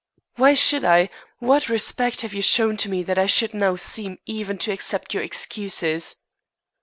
"Why should I? What respect have you shown to me that I should now seem even to accept your excuses?"